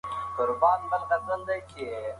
پرېمانه اوبه څښل انسان له ګونډه کېدو ساتي.